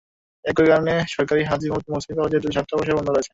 একই কারণে সরকারি হাজী মুহাম্মদ মহসিন কলেজের দুটি ছাত্রাবাসও বন্ধ রয়েছে।